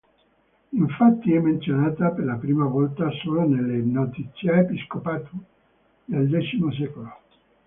Infatti è menzionata per la prima volta solo nelle "Notitiae Episcopatuum" del X secolo.